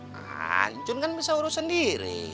nah uncun kan bisa urus sendiri